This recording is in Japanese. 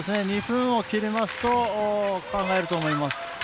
２分を切りますと考えると思います。